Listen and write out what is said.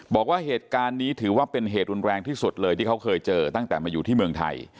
บอกว่าเหตุการณ์นี้ถือว่าเป็นเหตุรุนแรงที่สุดเลยที่เขาเคยเจอตั้งแต่มาอยู่ที่เมืองไทย